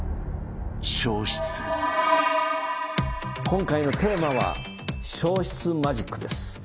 今回のテーマは消失マジックです。